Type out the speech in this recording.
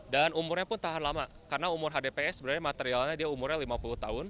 dan umurnya pun tahan lama karena umur hdpe sebenarnya materialnya dia umurnya lima puluh tahun